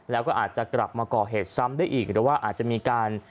แล้วก็อาจจะกลับมาก่อเหตุซ้ำได้อีกหรือว่าอาจจะมีการ